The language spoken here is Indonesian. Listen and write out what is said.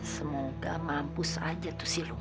semoga mampus aja tuh si luman